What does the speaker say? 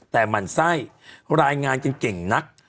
แต่หมั่นไส้รายงานกันเก่งนัก